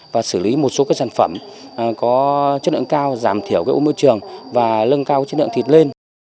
và xử lý một số cái sản phẩm có chất lượng cao giảm thiểu cái ố môi trường và lân cao chất lượng thịt lên